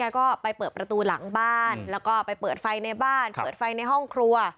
ก็ไปเปิดประตูหลังบ้านแล้วก็ไปเปิดไฟในบ้านเปิดไฟในห้องครัว